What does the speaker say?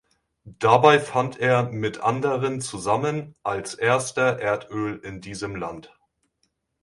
Dabei fand er mit anderen zusammen als Erster Erdöl in diesem Land.